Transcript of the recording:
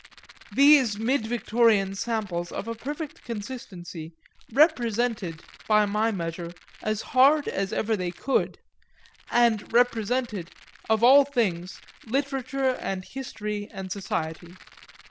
These mid Victorian samples of a perfect consistency "represented," by my measure, as hard as ever they could and represented, of all things, literature and history and society.